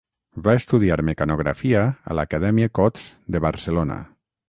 Va estudiar mecanografia a l'Acadèmia Cots de Barcelona.